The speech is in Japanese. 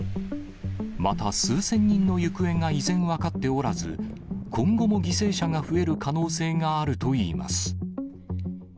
また、数千人の行方が依然分かっておらず、今後も犠牲者が増える可能性があるといいます。